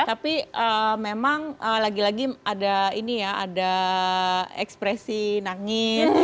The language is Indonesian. tapi memang lagi lagi ada ini ya ada ekspresi nangis